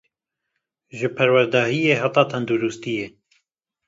ji perwerdehiyê heta tenduristiyê